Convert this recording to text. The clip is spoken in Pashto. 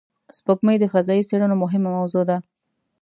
سپوږمۍ د فضایي څېړنو مهمه موضوع ده